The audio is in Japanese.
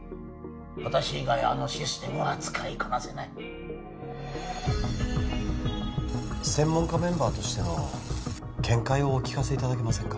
私以外あのシステムは使いこなせない専門家メンバーとしての見解をお聞かせいただけませんか？